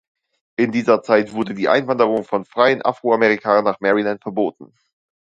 In dieser Zeit wurde die Einwanderung von freien Afroamerikanern nach Maryland verboten.